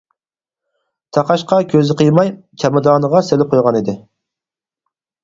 تاقاشقا كۆزى قىيماي چامادانىغا سېلىپ قويغانىدى.